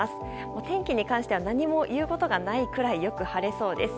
お天気に関しては何も言うことがないくらいよく晴れそうです。